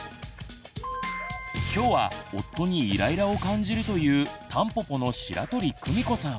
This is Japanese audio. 今日は夫にイライラを感じるというたんぽぽの白鳥久美子さん